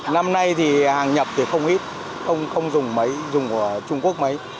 năm nay thì hàng nhập thì không ít không dùng máy dùng của trung quốc máy